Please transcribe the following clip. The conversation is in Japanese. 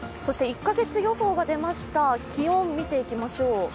１カ月予報が出ました、気温を見ていきましょう。